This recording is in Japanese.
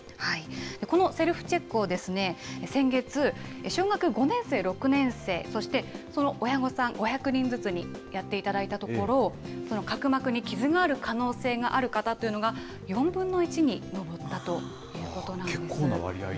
このセルフチェックを、先月、小学５年生、６年生、そしてその親御さん、５００人ずつにやっていただいたところ、角膜に傷がある可能性がある方というのが、４分結構な割合ですよね。